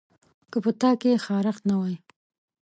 که په تا کې خارښت نه وای